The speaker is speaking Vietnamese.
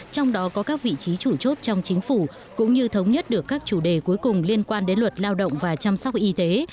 trong đó có các vị trí chủ chốt trong chính phủ cũng như thống nhất được các chủ đề cuối cùng liên quan đến luật lao động và chăm sóc y tế